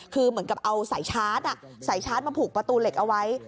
คือเหมือนกับเอาสายชาร์จสายชาร์จมาผูกประตูเหล็กเอาไว้